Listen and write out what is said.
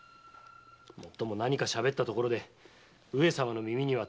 もっとも何かしゃべったところで上様の耳には届かないだろうが。